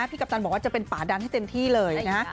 กัปตันบอกว่าจะเป็นป่าดันให้เต็มที่เลยนะฮะ